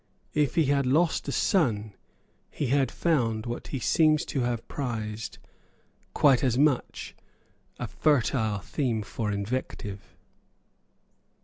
If he had lost a son, he had found, what he seems to have prized quite as much, a fertile theme for invective.